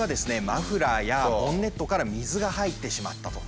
マフラーやボンネットから水が入ってしまったと。